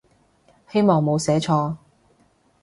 希望冇寫錯